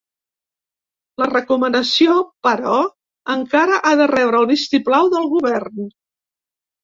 La recomanació, però, encara ha de rebre el vist-i-plau del govern.